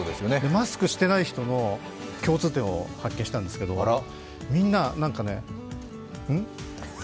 マスクしていない人の共通点を発見したんですけどみんな、うん？